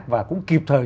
và cũng kịp thời